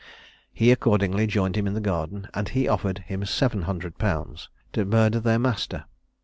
He accordingly joined him in the garden, and he offered him seven hundred pounds to murder their master.